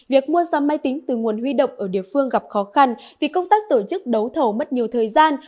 việc mua ra máy tính từ nguồn huy động ở địa phương gặp khó khăn vì công tác tổ chức đấu thầu mất nhiều thời gian